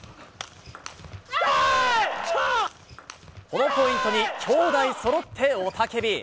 このポイントに、兄妹そろって雄たけび。